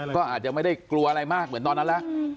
ก็อาจจะไม่ได้กลัวอะไรมากเหมือนตอนนั้นแล้ว